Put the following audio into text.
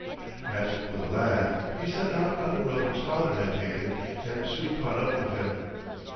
As for the lad he set out on the road his father had taken and soon caught up with him.